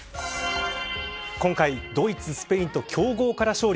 今回、ドイツ、スペインと強豪から勝利。